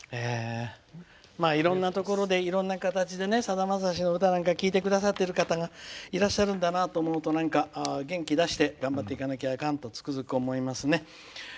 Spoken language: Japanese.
いろんなところでいろんな形でさだまさしの歌なんかを聴いてくださってる方がいらっしゃるんだなと思うと元気出して頑張っていかなきゃいかんとつくづく思いますね。